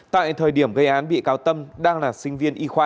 tại thời điểm gây án bị cáo tâm đang là sinh viên y khoa